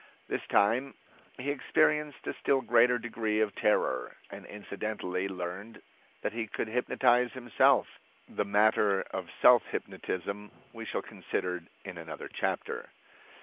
This time he experienced a still greater degree of terror, and incidentally learned that he could hypnotize himself. The matter of self hypnotism we shall consider in another chapter.